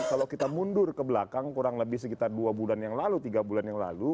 kalau kita mundur ke belakang kurang lebih sekitar dua bulan yang lalu tiga bulan yang lalu